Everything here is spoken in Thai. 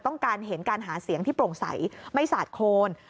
ต้องการเห็นการหาเสียงที่โปร่งใสไม่สาดโคน